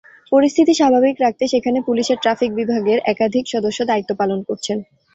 পরিস্থিতি স্বাভাবিক রাখতে সেখানে পুলিশের ট্রাফিক বিভাগের একাধিক সদস্য দায়িত্ব পালন করছেন।